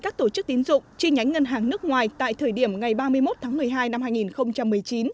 các tổ chức tín dụng chi nhánh ngân hàng nước ngoài tại thời điểm ngày ba mươi một tháng một mươi hai năm hai nghìn một mươi chín